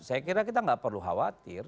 saya kira kita nggak perlu khawatir